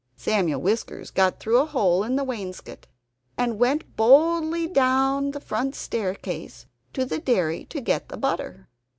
Samuel Whiskers got through a hole in the wainscot and went boldly down the front staircase to the dairy to get the butter.